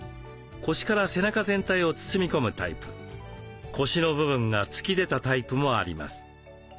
腰から背中全体を包み込むタイプ腰の部分が突き出たタイプもあります。